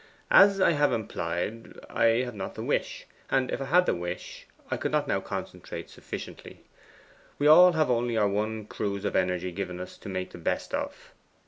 'As I have implied, I have not the wish. And if I had the wish, I could not now concentrate sufficiently. We all have only our one cruse of energy given us to make the best of.